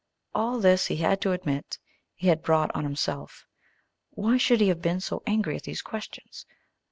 All this, he had to admit, he had brought on himself. Why should he have been so angry at these questions?